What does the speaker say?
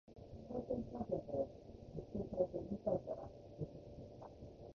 対戦コンテンツが実装されて引退者が続出した